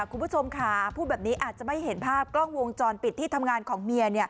คุณผู้ชมค่ะพูดแบบนี้อาจจะไม่เห็นภาพกล้องวงจรปิดที่ทำงานของเมีย